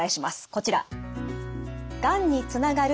こちら。